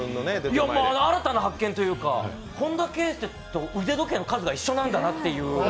新たな発見というか、本田圭佑と腕時計の数が一緒なんだなと。